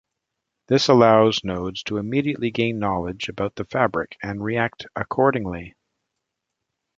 This allows nodes to immediately gain knowledge about the fabric and react accordingly.